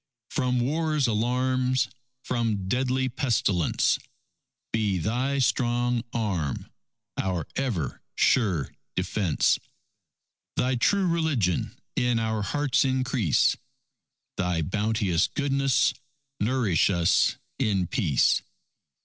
From war's alarms, from deadly pestilence, Be Thy strong arm our ever sure defence; Thy true religion in our hearts increase, Thy bounteous goodness nourish us in Peace.